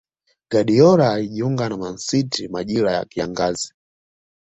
Guardiola alijiunga na Man City majira ya kiangazi